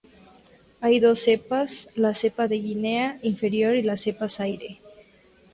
Hay dos cepas: la cepa de Guinea inferior y la cepa Zaire.